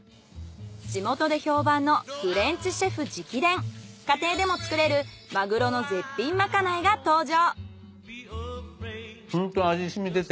地元で評判のフレンチシェフ直伝家庭でも作れるマグロの絶品まかないが登場。